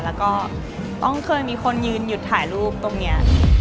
แล้วก็ต้องเคยมีคนยืนหยุดถ่ายรูปตรงนี้